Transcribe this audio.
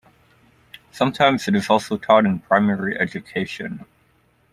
Sometimes it is also taught in primary education.